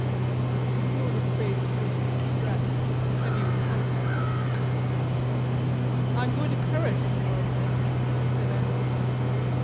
He could feel in his face Chrisfield's breath, heavy with cognac. "I'm going to Paris tomorrow, Chris," said Andrews.